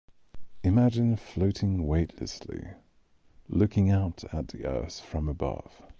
Imagine floating weightlessly, looking out at the Earth from above.